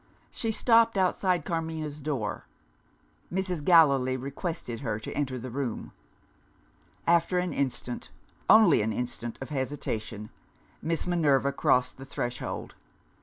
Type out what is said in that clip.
She stopped outside Carmina's door. Mrs. Gallilee requested her to enter the room. After an instant only an instant of hesitation, Miss Minerva crossed the threshold.